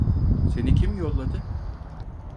Seni kim yolladı?